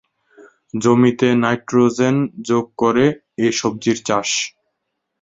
জমিতে নাইট্রোজেন যোগ করে এ সবজির চাষ।